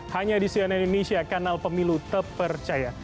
hanya di cnn indonesia kanal pemilu terpercaya